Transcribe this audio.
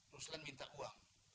ruslan minta uang